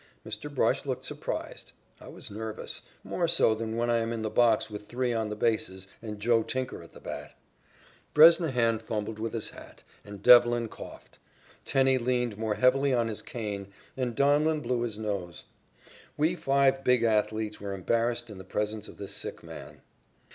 Mr. Brush looked surprised. I was nervous, more so than when I am in the box with three on the bases and "Joe" Tinker at the bat. Bresnahan fumbled with his hat, and Devlin coughed. Tenney leaned more heavily on his cane, and Donlin blew his nose. We five big athletes were embarrassed in the presence of this sick man.